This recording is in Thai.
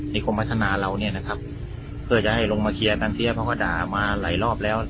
กรมพัฒนาเราเนี่ยนะครับเพื่อจะให้ลงมาเคลียร์ตันเสียเพราะเขาด่ามาหลายรอบแล้ว